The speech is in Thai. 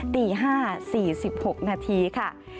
ตี๕๔๖นาทีค่ะ